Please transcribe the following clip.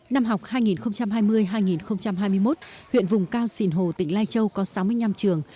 năm học hai nghìn hai mươi hai nghìn hai mươi một huyện vùng cao sìn hồ tỉnh lai châu có sáu mươi năm trường